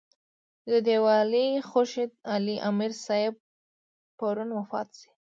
چې د دېولۍ خورشېد علي امير صېب پرون وفات شۀ